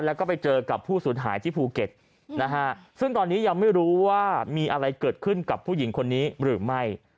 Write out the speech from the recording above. แล้วก็ไปเจอกับผู้สูญหายที่ภูเก็ตนะฮะซึ่งตอนนี้ยังไม่รู้ว่ามีอะไรเกิดขึ้นกับผู้หญิงคนนี้หรือไม่